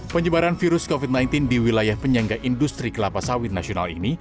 penyebaran virus covid sembilan belas di wilayah penyangga industri kelapa sawit nasional ini